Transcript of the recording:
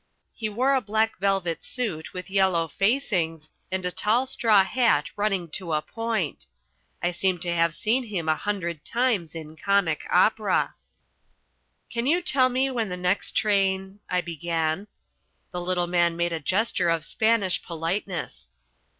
He wore a black velvet suit with yellow facings, and a tall straw hat running to a point. I seemed to have seen him a hundred times in comic opera. "Can you tell me when the next train ?" I began. The little man made a gesture of Spanish politeness.